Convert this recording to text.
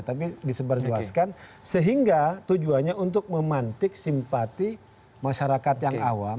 tapi disebarjuaskan sehingga tujuannya untuk memantik simpati masyarakat yang awam